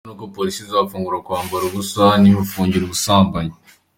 Ikibazo nuko Police izamufungira kwambara ubusa, ntimufungire ubusambanyi.